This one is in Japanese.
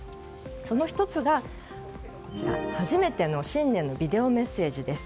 その１つが、初めての新年のビデオメッセージです。